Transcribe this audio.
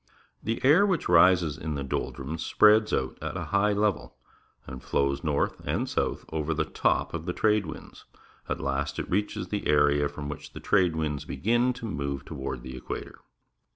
The air which rises in the doldnmis spreads out at a high level and flows north and south over the top of the trade winds. At last it reaches the area from which the trade winds begin to move toward the equator.